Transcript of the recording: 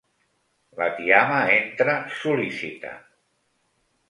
La tiama entra, sol·lícita.